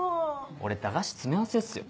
俺駄菓子詰め合わせっすよ。